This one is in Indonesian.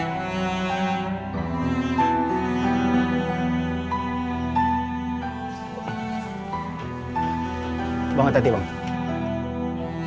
aku ingin berjalan ke rumahmu